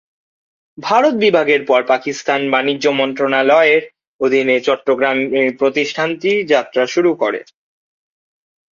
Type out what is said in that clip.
ভারত বিভাগের পর পাকিস্তান বাণিজ্য মন্ত্রণালয়ের অধীনে চট্টগ্রামে প্রতিষ্ঠানটি যাত্রা শুরু করে।